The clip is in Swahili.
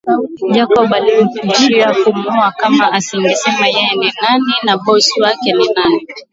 Jacob alimtishia kumuua kama asingesema yeye ni nani na bosi wake ni nani